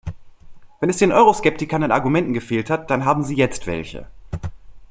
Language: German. Wenn es den Euroskeptikern an Argumenten gefehlt hat, dann haben sie jetzt welche.